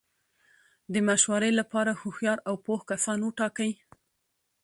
د مشورې له پاره هوښیار او پوه کسان وټاکئ!